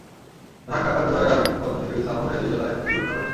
ঢাকা কার্যালয়ের আরেক মুখ্য অর্থনীতিবিদ সালমান জাইদির বেলায় একই ঘটনা ঘটেছে।